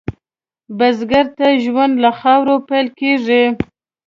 بزګر ته ژوند له خاورې پېل کېږي